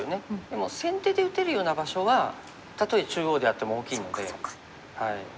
でも先手で打てるような場所はたとえ中央であっても大きいので。